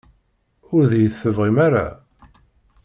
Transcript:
Ur d-iyi-tebɣim ara?